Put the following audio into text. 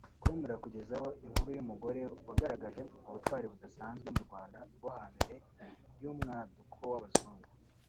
com arakugezaho inkuru y’umugore wagaragaje ubutwari budasanzwe mu Rwanda rwo hambere y’umwaduko w’abazungu